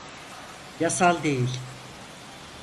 Yasal değil.